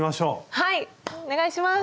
はいお願いします！